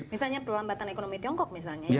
misalnya perlambatan ekonomi tiongkok misalnya ya